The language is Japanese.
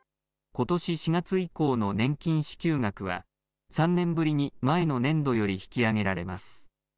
ことし４月以降の年金支給額は３年ぶりに前の年度より引き上げられます。